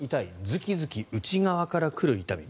ズキズキ内側から来る痛み。